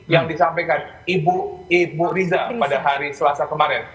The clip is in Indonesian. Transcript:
yang disampaikan ibu riza pada hari selasa kemarin